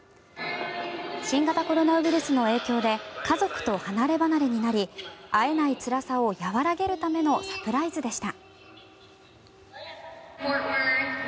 新型コロナウイルスの影響で家族と離れ離れになり会えないつらさを和らげるためのサプライズでした。